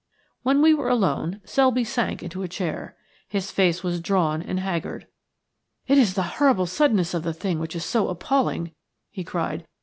When we were alone Selby sank into a chair. His face was quite drawn and haggard. "It is the horrible suddenness of the thing which is so appalling," he cried.